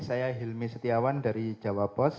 saya hilmi setiawan dari jawa post